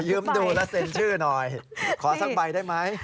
ยืมดูแล้วเซ็นชื่อหน่อยขอสักใบได้ไหม